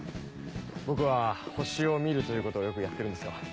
僕は星を見るということをよくやってるんですよ。